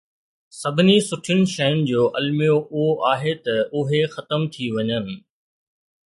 سڀني سٺين شين جو الميو اهو آهي ته اهي ختم ٿي وڃن.